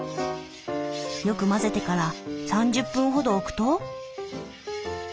よく混ぜてから３０分ほど置くと。